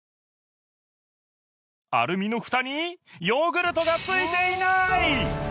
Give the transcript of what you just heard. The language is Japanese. アルミのフタにヨーグルトが付いていない！